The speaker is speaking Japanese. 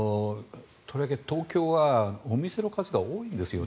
とりわけ東京はお店の数が多いんですね。